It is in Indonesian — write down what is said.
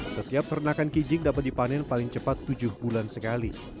setiap ternakan kijing dapat dipanen paling cepat tujuh bulan sekali